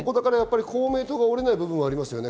公明党が折れない部分がありますよね。